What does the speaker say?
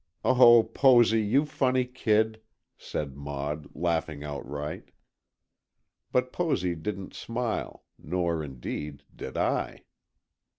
"Oh, Posy, you funny kid!" said Maud, laughing outright. But Posy didn't smile, nor, indeed, did I.